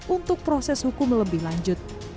untuk proses hukum lebih lanjut